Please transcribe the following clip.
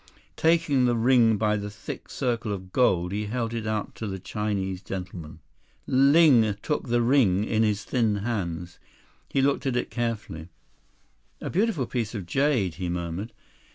Taking the ring by the thick circle of gold, he held it out to the Chinese gentleman. Ling took the ring in his thin hands. He looked at it carefully. 14 "A beautiful piece of jade," he murmured.